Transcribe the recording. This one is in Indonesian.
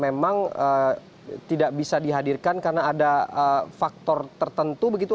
memang tidak bisa dihadirkan karena ada faktor tertentu begitu